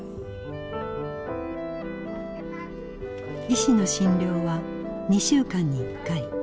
医師の診療は２週間に１回。